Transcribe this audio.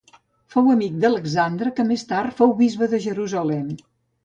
Fou amic d'Alexandre que més tard fou bisbe de Jerusalem.